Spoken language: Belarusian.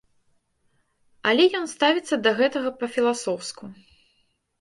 Але ён ставіцца да гэтага па-філасофску.